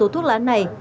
thuốc lá này